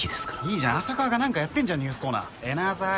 いいじゃん浅川が何かやってんじゃんニュースコーナーエナーズアイ！